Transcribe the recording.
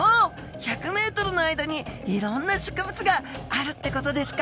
１００ｍの間にいろんな植物があるって事ですか。